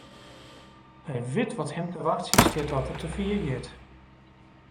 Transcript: Hy wit wat him te wachtsjen stiet as er te fier giet.